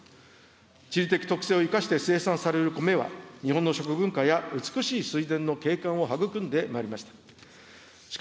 地理的特性を生かして生産される米は、日本の食文化や美しい水田の景観を育んでまいりました。